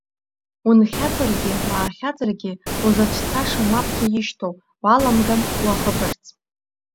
Унхьаҵыргьы, уаахьаҵыргьы, узацәцашам уаԥхьа ишьҭоу, уаламган уахыԥарц.